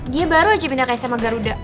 dia baru aja pindah ke sma garuda